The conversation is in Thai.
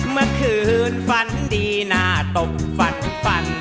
เมื่อคืนฝันดีหน้าตบฝันฝัน